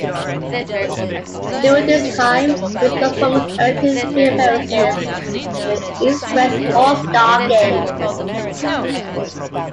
During this time, his performance earned him three appearances in the East-West All-Star game.